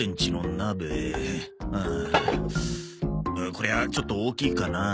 これはちょっと大きいかなあ。